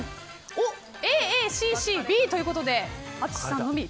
Ａ、Ａ、Ｃ、Ｃ、Ｂということで淳さんのみＢ。